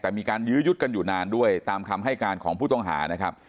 แต่มีการยื้อยุดกันอยู่นานด้วยตามคำให้การของผู้ต้องหานะครับ